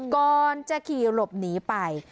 ก่อนจะขี่หลบหนีไป